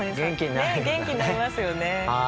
ねっ元気になりますよね。